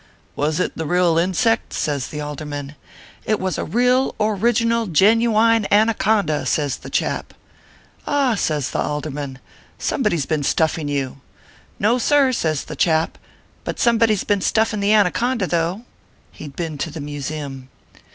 " Was it the real insect ?" says the Alderman. " It was a real, original, genuine Anaconda/ says the chap. " Ah !" says the Alderman, " somebody s been stuf fin you." " No, sir !" says the chap, but somebody s been stuifin the Anaconda, though." He d been to the Museum.